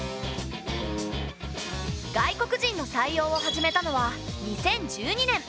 外国人の採用を始めたのは２０１２年。